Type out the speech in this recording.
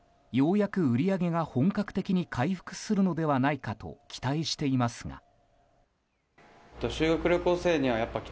ようやく売り上げが本格的に回復するのではないかと期待していますが。